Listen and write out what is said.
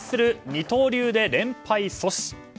二刀流で連敗阻止。